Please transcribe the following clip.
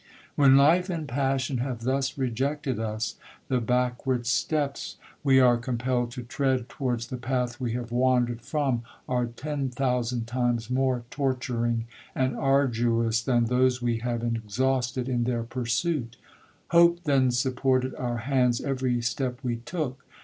When life and passion have thus rejected us, the backward steps we are compelled to tread towards the path we have wandered from, are ten thousand times more torturing and arduous than those we have exhausted in their pursuit. Hope then supported our hands every step we took.